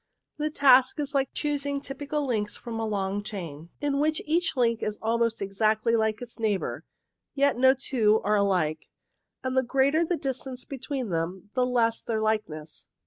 The task is like choosing typical links from a long chain in which each link is almost CLOUD TYPES 9 exactly like its neighbours, yet no two are alike, and the greater the distance between them the less their likeness.